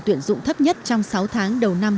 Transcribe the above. tuyển dụng thấp nhất trong sáu tháng đầu năm